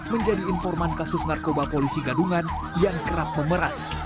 menjadi informan kasus narkoba polisi gadungan yang kerap memeras